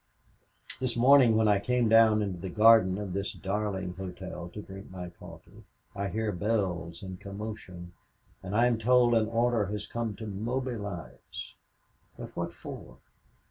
This morning when I came down into the garden of this darling hotel to drink my coffee, I hear bells and commotion and I am told an order has come to mobilize. But what for?